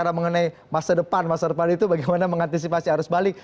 bicara mengenai masa depan masa depan itu bagaimana mengantisipasi arus balik